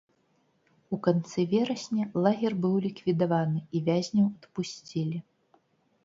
У канцы верасня лагер быў ліквідаваны, і вязняў адпусцілі.